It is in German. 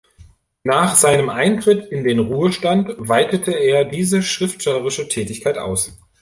Nach seinem Eintritt in den Ruhestand weitete er diese schriftstellerische Tätigkeit aus.